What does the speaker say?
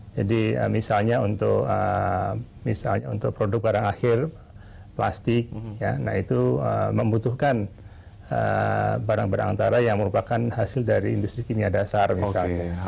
misalnya untuk misalnya untuk produk barang akhir plastik ya nah itu membutuhkan barang barang antara yang merupakan hasil dari industri kimia dasar misalnya